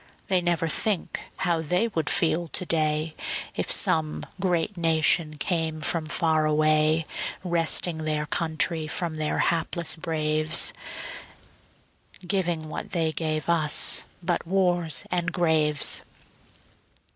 They never think how they would feel to day, If some great nation came from far away, Wresting their country from their hapless braves, Giving what they gave us but wars and graves.